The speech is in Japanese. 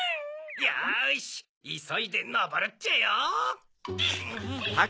よしいそいでのぼるっちゃよ！